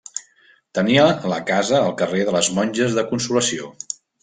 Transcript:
Tenia la casa al carrer de les Monges de Consolació.